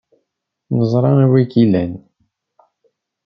Neẓra anwa ay k-ilan.